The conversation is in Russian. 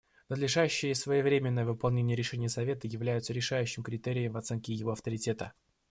Надлежащее и своевременное выполнение решений Совета является решающим критерием в оценке его авторитета.